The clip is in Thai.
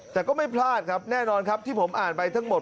แต่ก็ไม่พลาดครับแน่นอนครับที่ผมอ่านไปทั้งหมด